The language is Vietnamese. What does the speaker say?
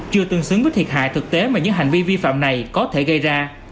chưa tương xứng với thiệt hại thực tế mà những hành vi vi phạm này có thể gây ra